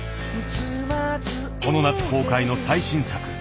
この夏公開の最新作。